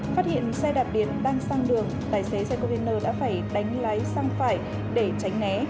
phát hiện xe đạp điện đang sang đường tài xế xe container đã phải đánh lái sang phải để tránh né